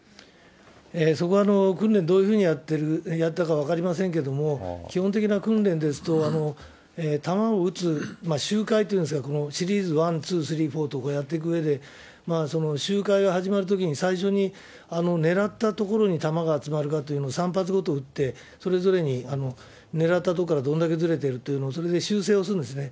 そこは訓練、どういうふうにやったか分かりませんけども、基本的な訓練ですと、弾を撃つ、周回というんですが、シリーズ１、２、３、４とこれ、やっていくうえで、周回が始まるときに最初に狙った所に弾が集まるかということで、３発ほど撃って、それぞれに狙ったところからどれだけずれてるというのを、それで修正をするんですね。